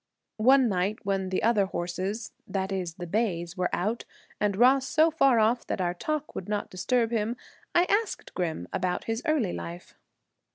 One night when the other horses that is, the bays were out and Ross so far off that our talk would not disturb him, I asked Grim about his early life.